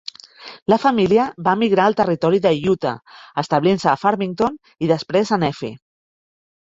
La família va emigrar al territori d'Utah, establint-se a Farmington i després a Nephi.